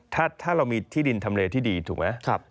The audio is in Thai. ถ้าเรามีที่ดินทำเลที่ดีถูกไหม